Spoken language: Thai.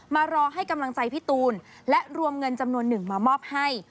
มารอให้กำลังใจพี่ตูนและรวมเงินจำนวนหนึ่งมามอบให้